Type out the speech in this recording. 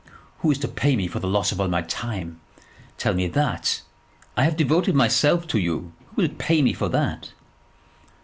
"Who is to pay me for the loss of all my time? Tell me that. I have devoted myself to you. Who will pay me for that?"